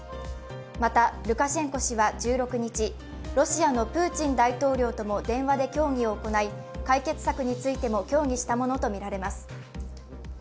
また、ルカシェンコ氏は１６日、ロシアのプーチン大統領とも電話で協議を行い解決策についても協議したものとみられます。